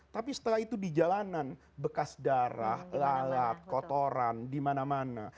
tapi setelah itu di jalanan bekas darah lalat kotoran di mana mana